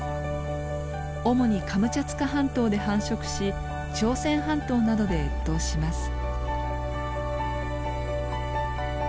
主にカムチャツカ半島で繁殖し朝鮮半島などで越冬します。